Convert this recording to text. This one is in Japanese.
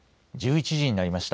１１時になりました。